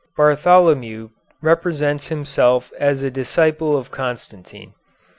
Bartholomew represents himself as a disciple of Constantine.